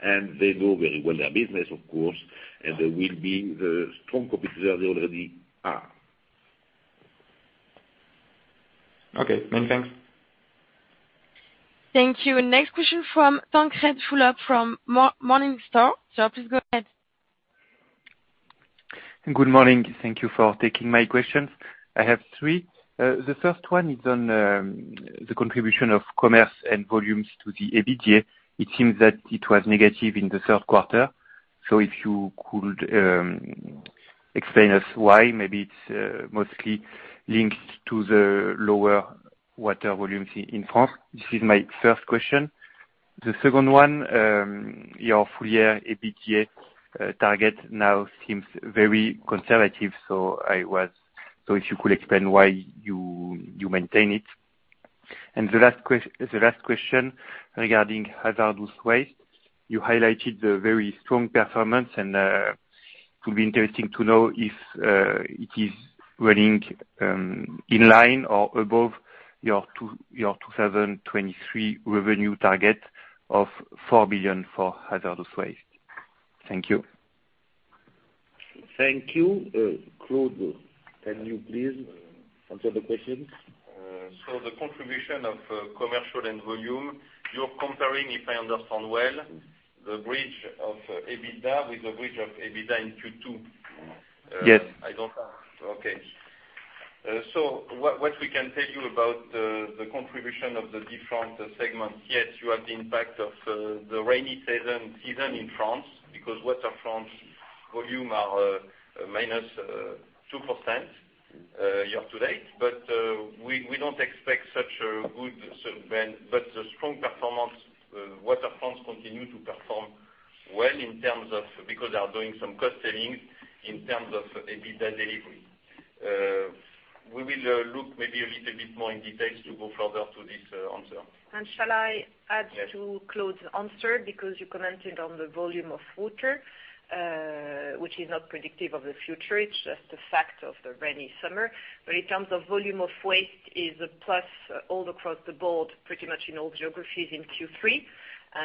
and they know very well their business, of course, and they will be the strong competitor they already are. Okay. Many thanks. Thank you. Next question from Tancrede Fulop from Morningstar. Sir, please go ahead. Good morning. Thank you for taking my questions. I have three. The first one is on the contribution of commerce and volumes to the EBITDA. It seems that it was negative in the third quarter. If you could explain to us why. Maybe it's mostly linked to the lower water volumes in France. This is my first question. The second one, your full-year EBITDA target now seems very conservative. If you could explain why you maintain it. The last question regarding Hazardous waste. You highlighted the very strong performance, and it would be interesting to know if it is running in line or above your 2023 revenue target of 4 billion for hazardous waste. Thank you. Thank you. Claude, can you please answer the questions? The contribution of commercial and volume, you're comparing, if I understand well, the bridge of EBITDA with the bridge of EBITDA in Q2. Yes. I don't have. Okay. So what we can tell you about the contribution of the different segments, yes, you have the impact of the rainy season in France because Water France volumes are -2% year-to-date. We don't expect such a good summer, but the strong performance, Water France continues to perform well in terms of, because they are doing some cost savings in terms of EBITDA delivery. We will look maybe a little bit more in detail to go further into this answer. Shall I add? Yes. To Claude's answer because you commented on the volume of water, which is not predictive of the future. It's just the fact of the rainy summer. In terms of volume of waste is a plus all across the board, pretty much in all geographies in Q3.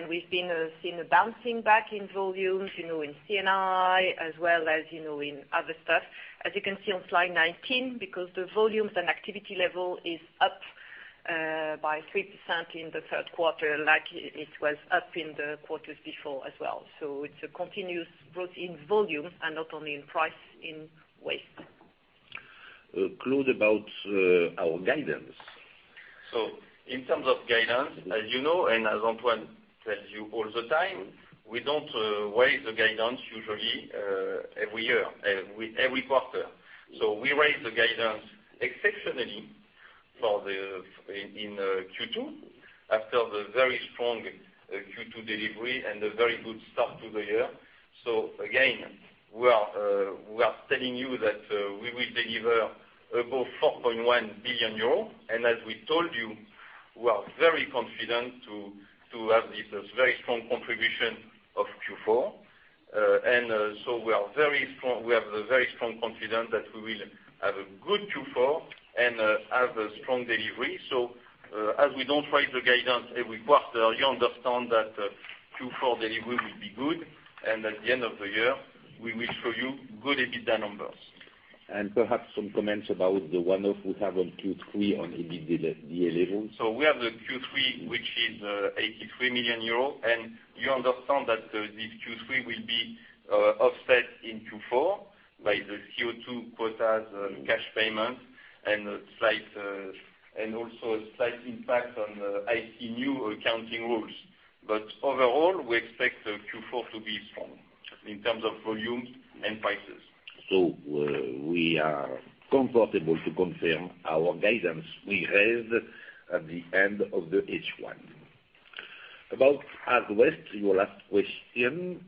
We've been seeing a bouncing back in volumes, you know, in C&I as well as, you know, in other stuff. As you can see on Slide 19, because the volumes and activity level is up by 3% in the third quarter, like it was up in the quarters before as well. It's a continuous growth in volume and not only in price in waste. Claude, about our guidance. In terms of guidance, as you know, and as Antoine tells you all the time, we don't raise the guidance usually every year with every quarter. We raise the guidance exceptionally in Q2, after the very strong Q2 delivery and a very good start to the year. Again, we are telling you that we will deliver above 4.1 billion euros. As we told you, we are very confident to have this very strong contribution of Q4. We have a very strong confidence that we will have a good Q4 and have a strong delivery. As we don't raise the guidance every quarter, you understand that Q4 delivery will be good, and at the end of the year, we will show you good EBITDA numbers. Perhaps some comments about the one-off we have on Q3 on EBITDA level. We have the Q3, which is 83 million euros. You understand that this Q3 will be offset in Q4 by the CO2 quotas cash payment and also a slight impact on IFRIC accounting rules. Overall, we expect Q4 to be strong in terms of volumes and prices. We are comfortable to confirm our guidance we have at the end of the H1. About Hazardous, your last question,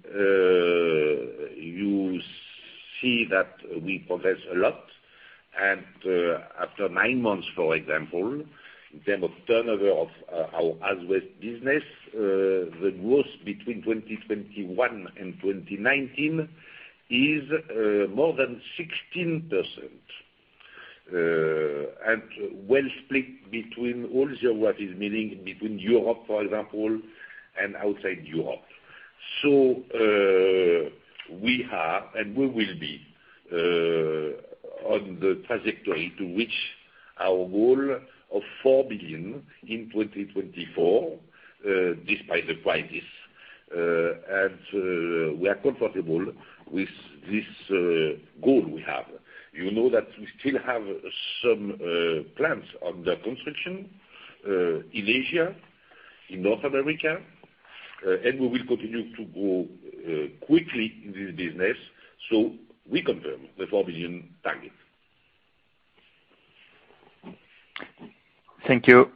you see that we progress a lot. After nine months, for example, in terms of turnover of our Hazardous business, the growth between 2021 and 2019 is more than 16%, and well split between all geographies, meaning between Europe, for example, and outside Europe. We are, and we will be, on the trajectory to reach our goal of 4 billion in 2024, despite the crisis. We are comfortable with this goal we have. You know that we still have some plans under construction in Asia, in North America, and we will continue to grow quickly in this business. We confirm the 4 billion target. Thank you.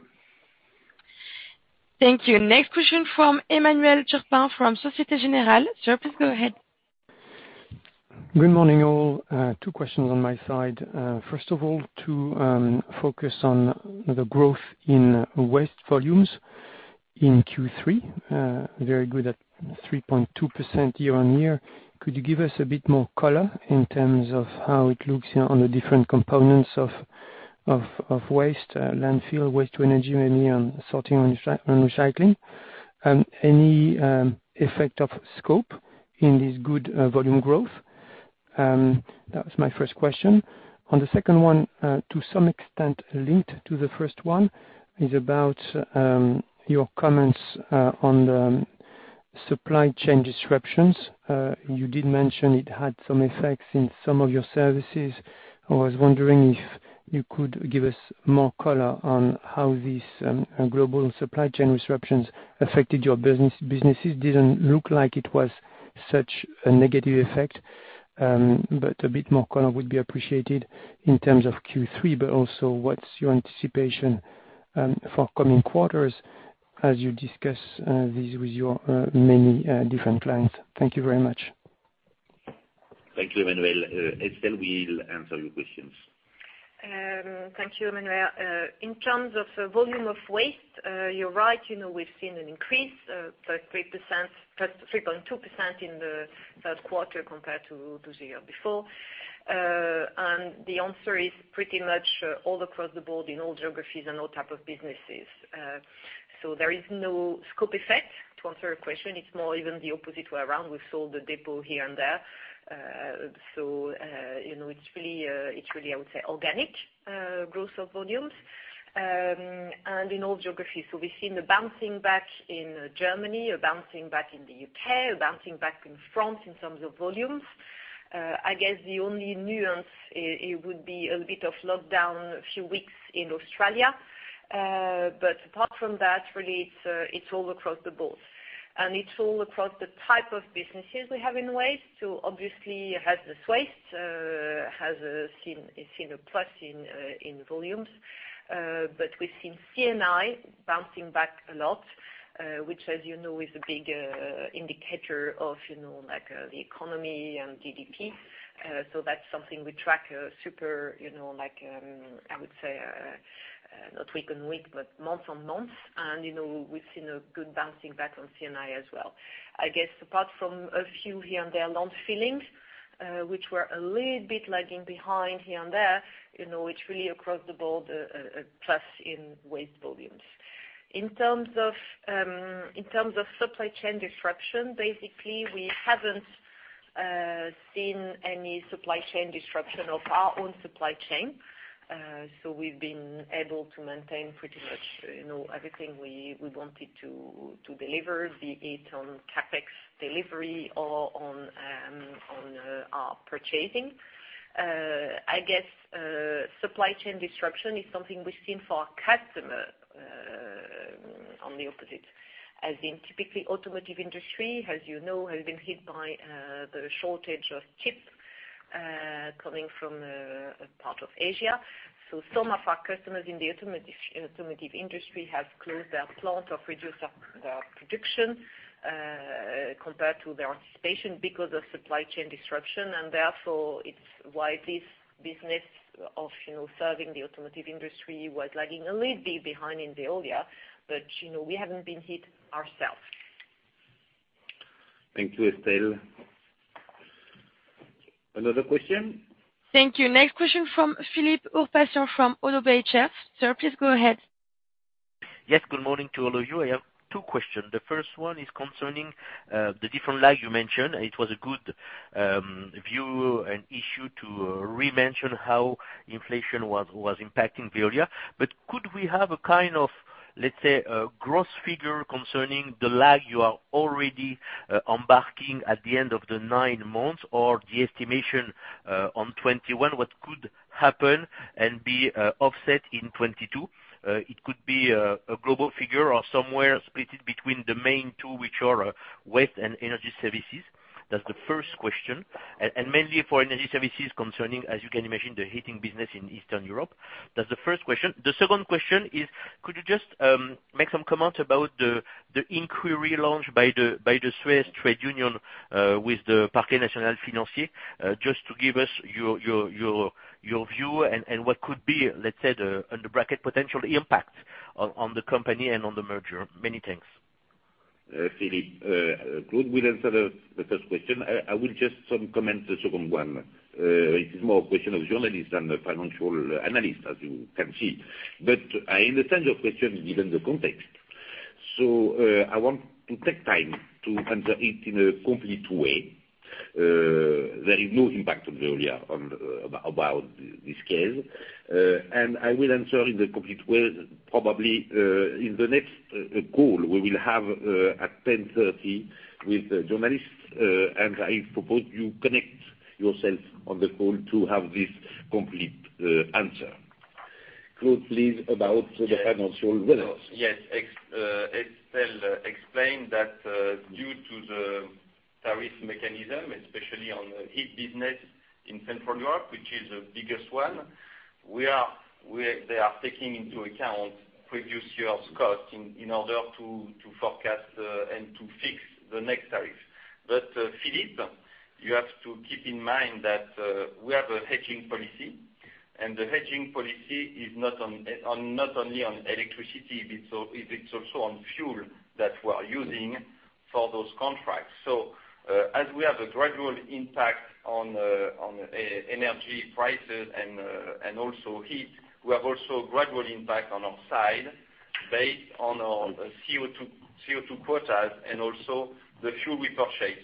Thank you. Next question from Emmanuel Turpin from Société Générale. Sir, please go ahead. Good morning, all. Two questions on my side. First of all, to focus on the growth in waste volumes in Q3. Very good at 3.2% year-on-year. Could you give us a bit more color in terms of how it looks on the different components of waste, landfill, waste-to-energy, maybe on sorting and recycling? Any effect of scope in this good volume growth? That was my first question. On the second one, to some extent linked to the first one is about your comments on the supply chain disruptions. You did mention it had some effects in some of your services. I was wondering if you could give us more color on how these global supply chain disruptions affected your business. Didn't look like it was such a negative effect, but a bit more color would be appreciated in terms of Q3, but also what's your anticipation for coming quarters as you discuss this with your many different clients? Thank you very much. Thank you, Emmanuel. Estelle will answer your questions. Thank you, Emmanuel. In terms of volume of waste, you're right, you know, we've seen an increase of 3.2% in the third quarter compared to the year before. The answer is pretty much all across the board in all geographies and all type of businesses. There is no scope effect to answer your question. It's more even the opposite way around. We sold a depot here and there. You know, it's really, I would say, organic growth of volumes and in all geographies. We've seen a bouncing back in Germany, a bouncing back in the U.K., a bouncing back in France in terms of volumes. I guess the only nuance, it would be a bit of lockdown a few weeks in Australia. Apart from that, really it's all across the board. It's all across the type of businesses we have in waste. Obviously, Hazardous waste has seen a plus in volumes. We've seen C&I bouncing back a lot, which, as you know, is a big indicator of the economy and GDP. That's something we track super, you know, like, I would say not week-on-week, but month-on-month. You know, we've seen a good bouncing back on C&I as well. I guess apart from a few here and there, landfillings, which were a little bit lagging behind here and there, you know, it's really across the board, a plus in waste volumes. In terms of supply chain disruption, basically, we haven't seen any supply chain disruption of our own supply chain. So we've been able to maintain pretty much, you know, everything we wanted to deliver, be it on CapEx delivery or on our purchasing. I guess supply chain disruption is something we've seen for our customer on the opposite, as in typically automotive industry, as you know, has been hit by the shortage of chips coming from a part of Asia. So some of our customers in the automotive industry have closed their plant or reduced their production compared to their anticipation because of supply chain disruption. Therefore, it's why this business of, you know, serving the automotive industry was lagging a little bit behind in Veolia, but, you know, we haven't been hit ourselves. Thank you, Estelle. Another question? Thank you. Next question from Philippe Ourpatian from Oddo BHF. Sir, please go ahead. Yes, good morning to all of you. I have two questions. The first one is concerning the different lag you mentioned. It was a good view and issue to re-mention how inflation was impacting Veolia. Could we have a kind of, let's say, a gross figure concerning the lag you are already embarking at the end of the nine months, or the estimation on 2021, what could happen and be offset in 2022? It could be a global figure or somewhere split it between the main two, which are waste and energy services. That's the first question. Mainly for energy services concerning, as you can imagine, the heating business in Eastern Europe. That's the first question. The second question is, could you just make some comments about the inquiry launched by the Suez Trade Union with the Parquet National Financier, just to give us your view and what could be, let's say, the under bracket potential impact on the company and on the merger? Many thanks. Philippe, Claude will answer the first question. I will just some comment the second one. It is more a question of journalist than the financial analyst, as you can see. I understand your question given the context. I want to take time to answer it in a complete way. There is no impact on Veolia about this case. I will answer in a complete way probably in the next call we will have at 10:30 A.M. with the journalists. I propose you connect yourself on the call to have this complete answer. Claude, please, about the financial balance. Yes. Estelle explained that due to the tariff mechanism, especially on heat business in Central Europe, which is the biggest one, they are taking into account previous years' cost in order to forecast and to fix the next tariff. Philippe, you have to keep in mind that we have a hedging policy, and the hedging policy is not only on electricity, it's also on fuel that we are using for those contracts. As we have a gradual impact on energy prices and also heat, we have also gradual impact on our side based on our CO2 quotas and also the fuel we purchase.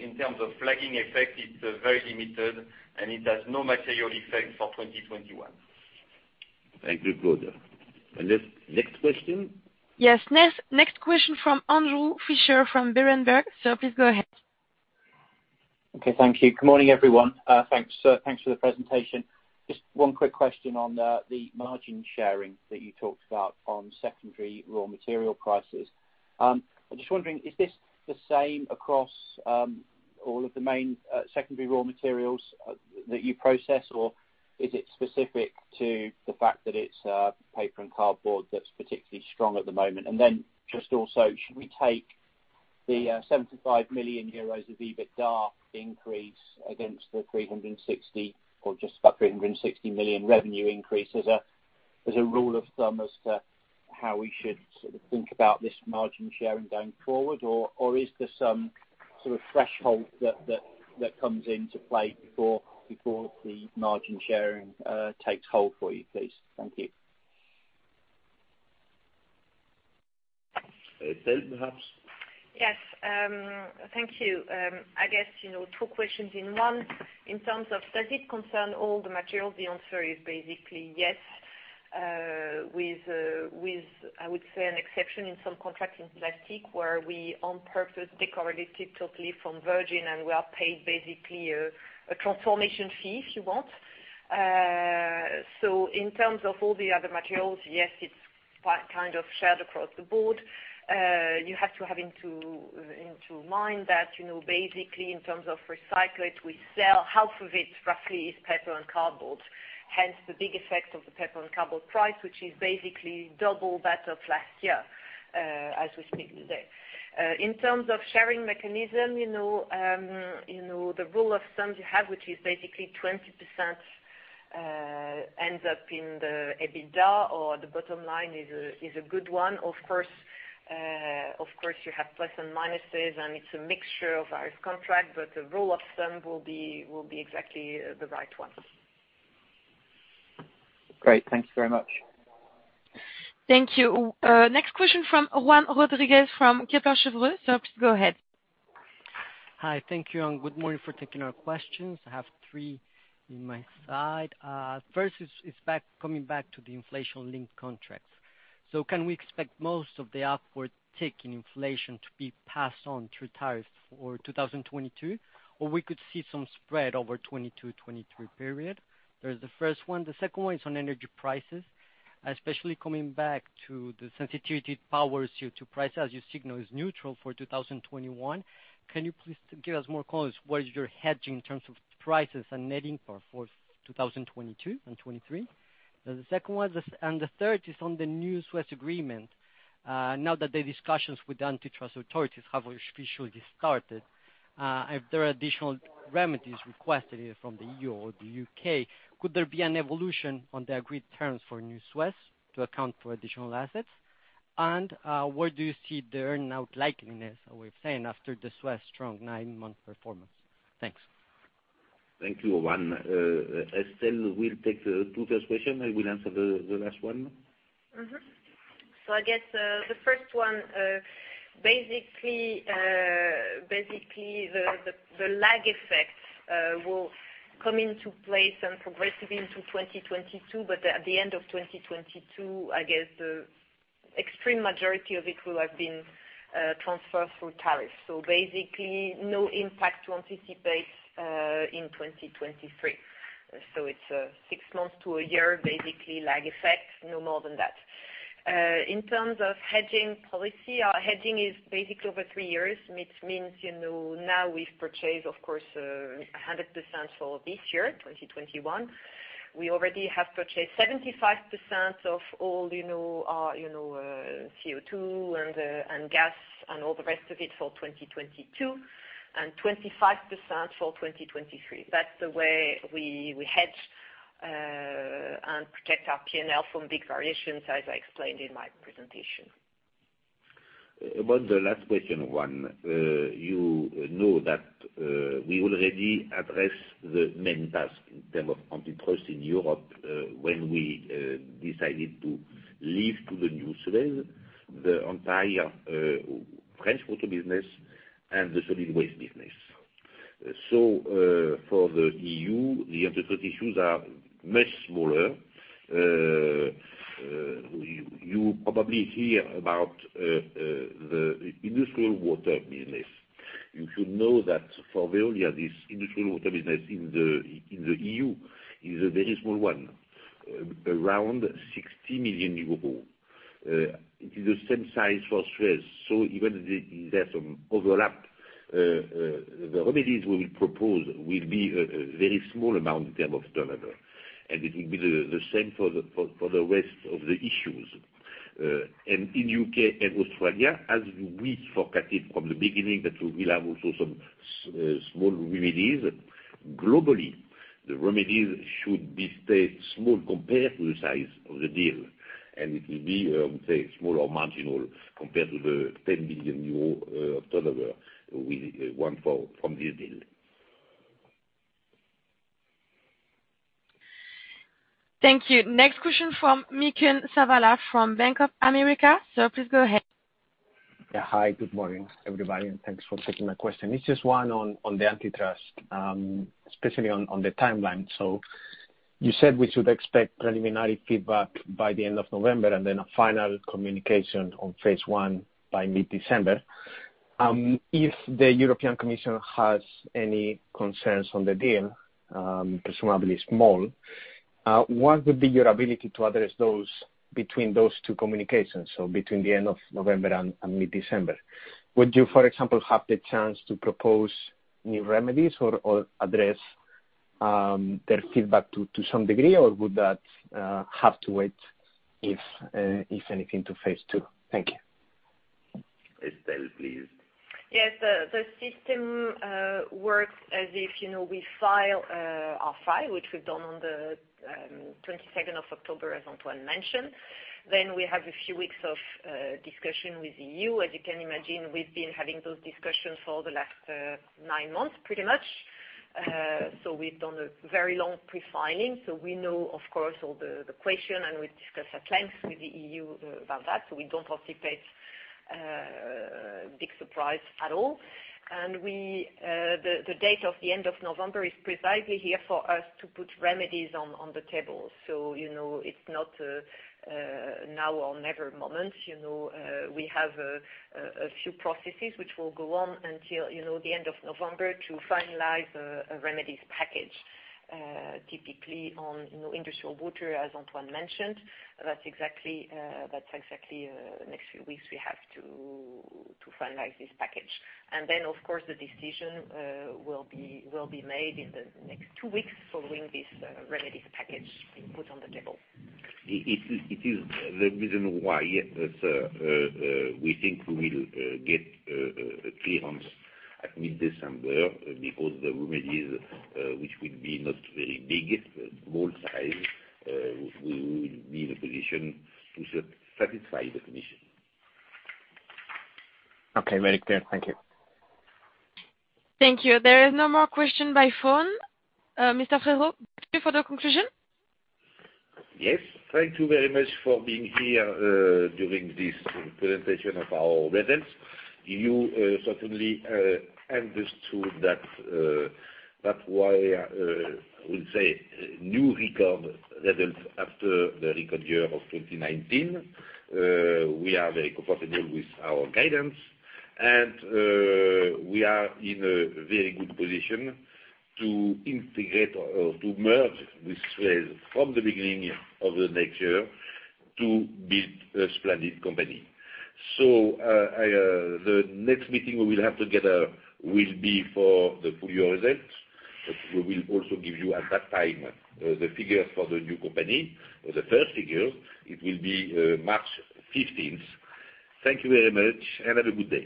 In terms of lagging effect, it's very limited, and it has no material effect for 2021. Thank you, Claude. Next question? Yes. Next question from Andrew Fisher from Berenberg. Sir, please go ahead. Okay. Thank you. Good morning, everyone. Thanks, sir. Thanks for the presentation. Just one quick question on the margin sharing that you talked about on secondary raw material prices. I'm just wondering, is this the same across all of the main secondary raw materials that you process, or is it specific to the fact that it's paper and cardboard that's particularly strong at the moment? And then just also, should we take the 75 million euros EBITDA increase against the 360 million revenue increase as a rule of thumb as to how we should sort of think about this margin sharing going forward, or is there some sort of threshold that comes into play before the margin sharing takes hold for you, please? Thank you. Estelle, perhaps. Yes, thank you. I guess, you know, two questions in one. In terms of does it concern all the materials, the answer is basically yes, with, I would say, an exception in some contracts in plastic, where we on purpose decorrelate totally from virgin, and we are paid basically a transformation fee, if you want. So in terms of all the other materials, yes, it's kind of shared across the board. You have to have into mind that, you know, basically in terms of recyclate, we sell half of it roughly is paper and cardboard, hence the big effect of the paper and cardboard price, which is basically double that of last year, as we speak today. In terms of sharing mechanism, you know, the rule of thumb you have, which is basically 20%, ends up in the EBITDA or the bottom line is a good one. Of course, you have pluses and minuses, and it's a mixture of our contracts, but the rule of thumb will be exactly the right one. Great. Thanks very much. Thank you. Next question from Juan Camilo Rodriguez from Kepler Cheuvreux. Please go ahead. Hi. Thank you, and good morning for taking our questions. I have three on my side. First, coming back to the inflation linked contracts. Can we expect most of the upward tick in inflation to be passed on through tariffs for 2022, or we could see some spread over 2022/2023 period? That's the first one. The second one is on energy prices, especially coming back to the sensitivity to power's CO2 price as your signaling is neutral for 2021. Can you please give us more color what is your hedging in terms of prices and netting for 2022 and 2023? That's the second one. The second and the third is on the new Suez agreement, now that the discussions with the antitrust authorities have officially started, if there are additional remedies requested from the EU or the U.K., could there be an evolution on the agreed terms for new Suez to account for additional assets? Where do you see the earn-out likelihood as we've seen after the Suez's strong nine-month performance? Thanks. Thank you, Juan. Estelle will take the two first question. I will answer the last one. I guess the first one basically the lag effect will come into place and progressively into 2022, but at the end of 2022, I guess the extreme majority of it will have been transferred through tariff. Basically no impact to anticipate in 2023. It's six months to a year, basically lag effect, no more than that. In terms of hedging policy, our hedging is basically over three years, which means, you know, now we've purchased, of course, 100% for this year, 2021. We already have purchased 75% of all, you know, CO2 and gas and all the rest of it for 2022, and 25% for 2023. That's the way we hedge and protect our P&L from big variations, as I explained in my presentation. About the last question, Juan. You know that we already addressed the main task in terms of antitrust in Europe, when we decided to leave to the new Suez, the entire French Water business and the solid Waste business. For the EU, the antitrust issues are much smaller. You probably hear about the Industrial Water business. You should know that for Veolia, this Industrial Water business in the EU is a very small one, around 60 million euros. It is the same size for Suez. Even if there's some overlap, the remedies we will propose will be a very small amount in terms of turnover, and it will be the same for the rest of the issues. In U.K. and Australia, as we forecasted from the beginning that we will have also some small remedies. Globally, the remedies should stay small compared to the size of the deal. It will be say small or marginal compared to the EUR 10 billion turnover we want for from this deal. Thank you. Next question from Miken Savala from Bank of America. Please go ahead. Yeah. Hi, good morning, everybody, and thanks for taking my question. It's just one on the antitrust, especially on the timeline. You said we should expect preliminary feedback by the end of November and then a final communication on Phase 1 by mid-December. If the European Commission has any concerns on the deal, presumably small, what would be your ability to address those between those two communications, so between the end of November and mid-December? Would you, for example, have the chance to propose new remedies or address their feedback to some degree, or would that have to wait if anything to Phase 2? Thank you. Estelle, please. Yes. The system works as if, you know, we file our file, which we've done on the 22nd of October as Antoine mentioned. Then we have a few weeks of discussion with EU. As you can imagine, we've been having those discussions for the last 9 months, pretty much. We've done a very long pre-filing. We know, of course, all the question, and we've discussed at length with the EU about that, so we don't anticipate big surprise at all. The date of the end of November is precisely here for us to put remedies on the table. You know, it's not now or never moment, you know. We have a few processes which will go on until, you know, the end of November to finalize a remedies package, typically on, you know, industrial water, as Antoine mentioned. That's exactly the next few weeks we have to finalize this package. Then, of course, the decision will be made in the next two weeks following this remedies package being put on the table. It is the reason why that we think we will get a clearance at mid-December because the remedies, which will be not very big, small size, we will be in a position to satisfy the commission. Okay. Very clear. Thank you. Thank you. There is no more question by phone. Mr. Frérot, for the conclusion. Yes. Thank you very much for being here during this presentation of our results. You certainly understood that that's why I will say new record results after the record year of 2019. We are very comfortable with our guidance and we are in a very good position to integrate or to merge with Suez from the beginning of the next year to build a splendid company. The next meeting we will have together will be for the full year results. We will also give you at that time the figures for the new company or the first figures. It will be March 15th. Thank you very much and have a good day.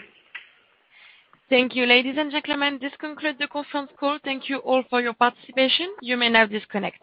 Thank you, ladies and gentlemen. This concludes the conference call. Thank you all for your participation. You may now disconnect.